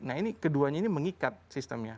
nah ini keduanya ini mengikat sistemnya